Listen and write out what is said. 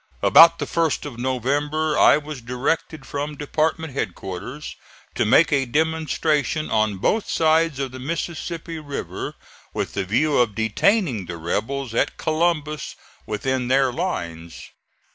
About the first of November I was directed from department headquarters to make a demonstration on both sides of the Mississippi River with the view of detaining the rebels at Columbus within their lines.